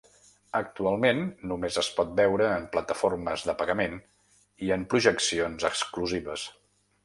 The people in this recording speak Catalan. Actualment només es pot veure en plataformes de pagament i en projeccions exclusives.